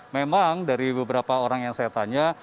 memang dari beberapa orang yang saya tanya